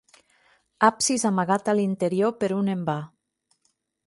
Absis amagat a l'interior per un envà.